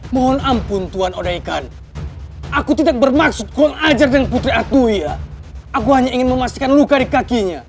mohon ampun tuhan odaikan aku tidak bermaksud kurang ajar dengan putri atuhya aku hanya ingin memastikan luka di kakinya